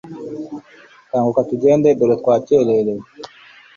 Kanguka tugende dore twakererewe